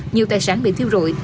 nhiều tài sản bị thiêu rụi